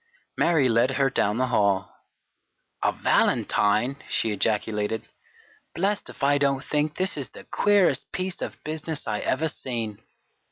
Mary led her down the hall. "A valentine!" she ejaculated. "Blest if I don't think this is the queerest piece of business I ever seen!"